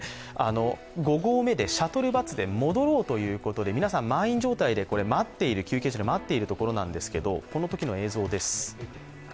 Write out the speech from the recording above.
５合目でシャトルバスで戻ろうというところで、皆さん満員状態で、休憩所で待っている状況なんですがこのときの映像です。